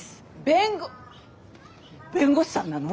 弁護弁護士さんなの？